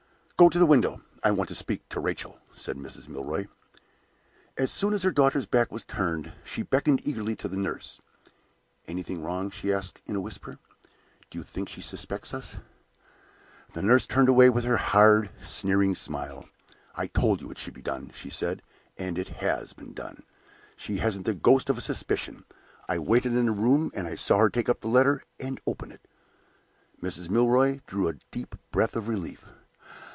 "Go to the window. I want to speak to Rachel," said Mrs. Milroy. As soon as her daughter's back was turned, she beckoned eagerly to the nurse. "Anything wrong?" she asked, in a whisper. "Do you think she suspects us?" The nurse turned away with her hard, sneering smile. "I told you it should be done," she said, "and it has been done. She hasn't the ghost of a suspicion. I waited in the room; and I saw her take up the letter and open it." Mrs. Milroy drew a deep breath of relief.